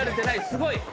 すごい！